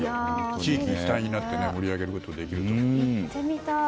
地域一体になってもっと盛り上げることができると思います。